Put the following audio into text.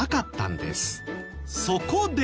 そこで。